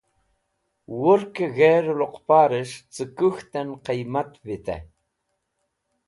Wurkẽ g̃herẽ luqparẽs̃h cẽ kũk̃htẽn qiymat vitẽ.